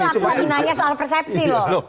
aku lagi nanya soal persepsi loh